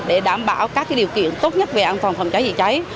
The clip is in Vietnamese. để đảm bảo các điều kiện tốt nhất về an toàn phòng cháy chữa cháy